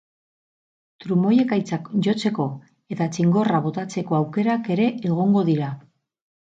Trumoi-ekaitzak jotzeko eta txingorra botatzeko aukerak ere egongo dira.